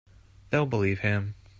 They'll believe him.